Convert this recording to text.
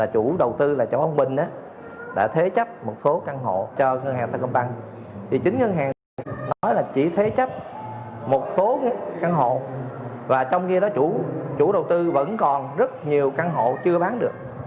chúng ta không phải căn hộ để ở như trong hợp đồng